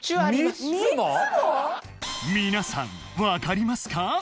皆さん分かりますか？